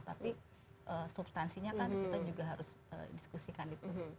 tapi substansinya kan kita juga harus diskusikan itu